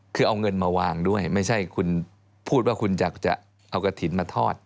คือเอาเงินมาวางด้วยไม่ใช่คุณพูดว่าคุณอยากจะเอากระถิ่นมาทอด